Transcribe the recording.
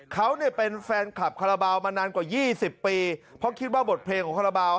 เขาเนี่ยเป็นแฟนคลับคาราบาลมานานกว่า๒๐ปีเพราะคิดว่าบทเพลงของคาราบาล